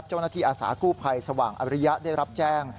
เจ้าหน้าที่อาสาคู่ภัยสว่างอริยะได้รับแจ้ง